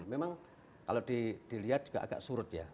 memang kalau dilihat juga agak surut ya